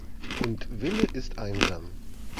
Und Wille ist einsam.